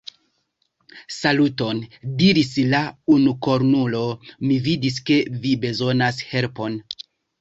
Saluton, diris la unukornulo, mi vidis ke vi bezonas helpon.